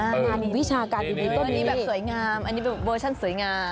อันนี้แบบสวยงามนี่เวอร์ชั่นสวยงาม